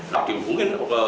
nah dihubungin ke